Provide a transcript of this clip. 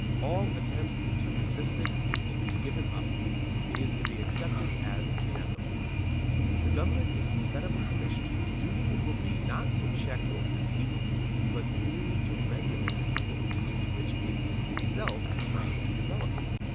All attempt to resist it is to be given up. It is to be accepted as inevitable. The government is to set up a commission whose duty it will be, not to check or defeat it, but merely to regulate it under rules which it is itself to frame and develop.